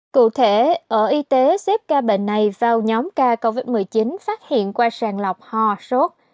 cụ thể ở y tế xếp ca bệnh này vào nhóm ca covid một mươi chín phát hiện qua sàng lọc hò sốt